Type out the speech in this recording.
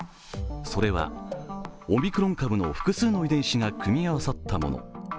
それはオミクロン株の複数の遺伝子が組み合わさったもの。